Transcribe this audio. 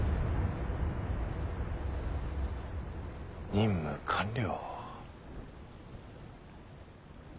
任務完了。